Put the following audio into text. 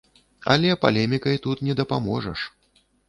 Але палемікай тут не дапаможаш.